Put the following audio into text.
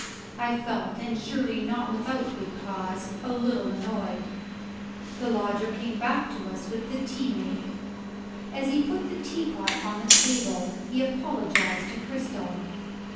I felt, and surely not without good cause, a little annoyed. The Lodger came back to us with the tea made. As he put the teapot on the table, he apologized to Cristel.